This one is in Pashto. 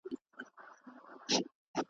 ږغ مي اوری؟ دا زما چیغي در رسیږي؟ .